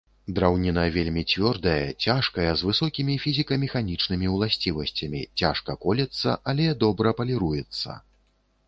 Драўніна вельмі цвёрдая, цяжкая, з высокімі фізіка-механічнымі ўласцівасцямі, цяжка колецца, але добра паліруецца.